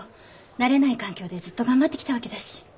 慣れない環境でずっと頑張ってきたわけだし。